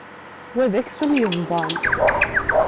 Wa d aksum yeẓdan.